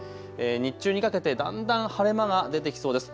日中にかけてだんだん晴れ間が出てきそうです。